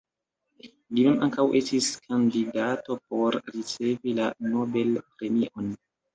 Li mem ankaŭ estis kandidato por ricevi la Nobel-premion.